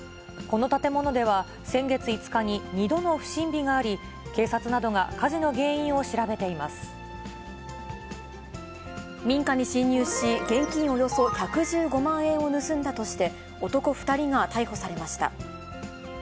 この建物では、先月５日に２度の不審火があり、警察などが火事の原因を調べてい民家に侵入し、現金およそ１１５万円を盗んだとして、男２人が逮捕されました。